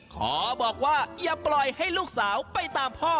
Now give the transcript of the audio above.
ขอบอกว่าอย่าปล่อยให้ลูกสาวไปตามพ่อ